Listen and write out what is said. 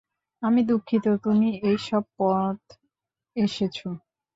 আমি দুঃখিত তুমি এই সব পথ এসেছ।